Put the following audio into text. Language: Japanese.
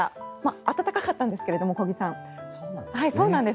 暖かかったんですが小木さん。そうなんです。